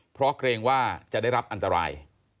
เพราะเกรงว่าจะได้รับอันตราย